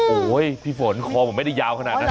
โอ้โหพี่ฝนคอผมไม่ได้ยาวขนาดนั้น